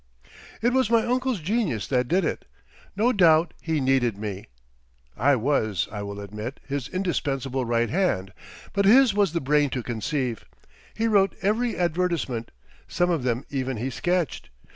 It was my uncle's genius that did it. No doubt he needed me,—I was, I will admit, his indispensable right hand; but his was the brain to conceive. He wrote every advertisement; some of them even he sketched.